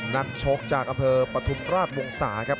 นักชกจากอำเภอปฐุมราชวงศาครับ